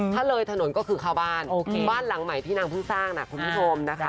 ถ้าเลยถนนก็คือเข้าบ้านบ้านหลังใหม่ที่นางเพิ่งสร้างนะคุณผู้ชมนะคะ